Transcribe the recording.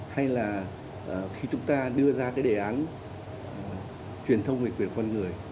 hay là khi chúng ta đưa ra cái đề án truyền thông về quyền con người